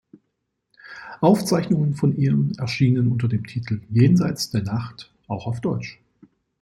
Aufzeichnungen von ihr erschienen unter dem Titel "Jenseits der Nacht" auch auf Deutsch.